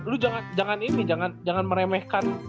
lu jangan ini jangan meremehkan